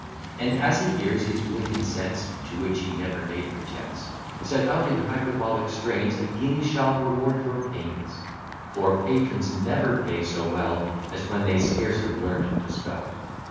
And, as he hears his wit and sense (To which he never made pretence) Set out in hyperbolic strains, A guinea shall reward your pains; For patrons never pay so well, As when they scarce have learn'd to spell.